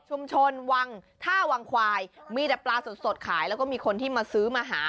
วังท่าวังควายมีแต่ปลาสดสดขายแล้วก็มีคนที่มาซื้อมาหา